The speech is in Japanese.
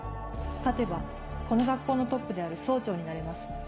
勝てばこの学校のトップである総長になれます。